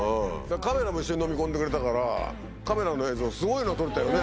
カメラも一緒にのみ込んでくれたからカメラの映像すごいのが撮れたよね。